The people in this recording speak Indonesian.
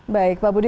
baik pak budi